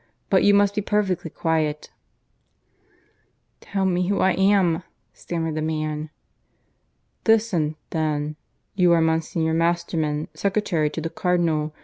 But you must be perfectly quiet " "Tell me who I am," stammered the man. "Listen then. You are Monsignor Masterman, secretary to the Cardinal.